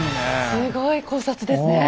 すごい考察ですね。